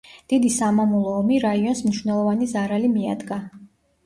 დიდი სამამულო ომი რაიონს მნიშვნელოვანი ზარალი მიადგა.